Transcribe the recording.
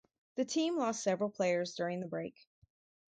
The team lost several players during the break.